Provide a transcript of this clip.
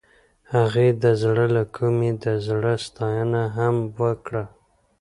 هغې د زړه له کومې د زړه ستاینه هم وکړه.